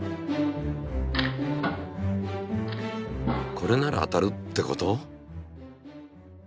これなら当たるってこと？